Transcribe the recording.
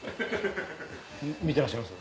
見てらっしゃいます？